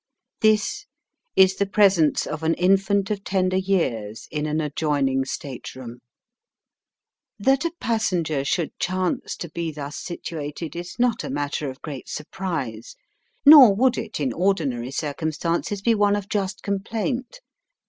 This is the presence of an infant of tender years in an adjoin ing state room. That a passenger should chance to be thus situated is not a matter of great surprise, nor would it in ordinary cir cumstances be one of just complaint.